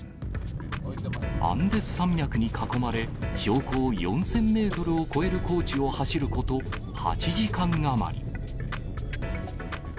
アンデス山脈に囲まれ、標高４０００メートルを超える高地を走ること８時間余り。